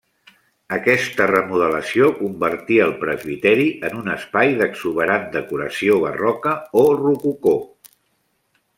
Aquesta remodelació convertí el presbiteri en un espai d'exuberant decoració barroca, o rococó.